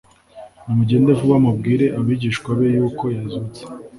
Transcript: Nimugende vuba mubwire abigishwa be yuko Yazutse.